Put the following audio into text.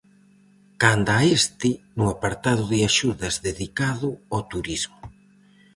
Canda a este, no apartado de axudas dedicado ao Turismo.